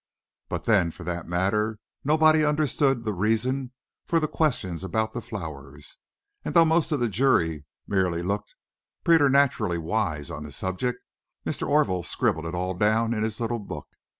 But then, for that matter, no body understood the reason for the questions about the flowers, and though most of the jury merely looked preternaturally wise on the subject, Mr. Orville scribbled it all down in his little book.